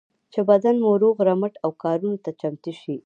چې بدن مو روغ رمټ او کارونو ته چمتو شي.